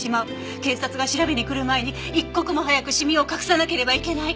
警察が調べに来る前に一刻も早くシミを隠さなければいけない。